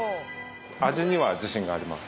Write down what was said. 味には自信があります。